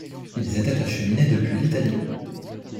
Ils étaient acheminés depuis l'Italie.